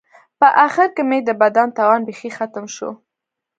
په آخر کې مې د بدن توان بیخي ختم شو.